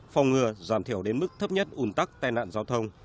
phòng ngừa giảm thiểu đến mức thấp nhất un tắc tai nạn giao thông